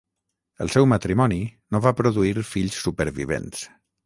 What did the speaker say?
El seu matrimoni no va produir fills supervivents.